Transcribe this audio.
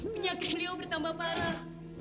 penyakit beliau bertambah parah